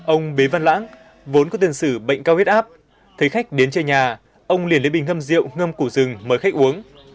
ông bế văn lãng vốn có tiền sử bệnh cao huyết áp thấy khách đến chơi nhà ông liền lấy bình ngâm rượu ngâm củ rừng mới khách uống